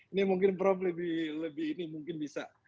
ini mungkin prof lebih ini mungkin bisa